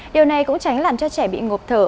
điều này cũng tránh làm cho trẻ bị ngộp thở